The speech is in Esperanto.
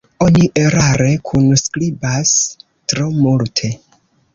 Oni erare kunskribas tro multe.